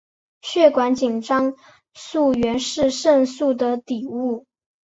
血管紧张素原是肾素的底物。